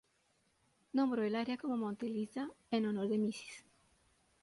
Nombró el área como Mount Eliza en honor de Mrs.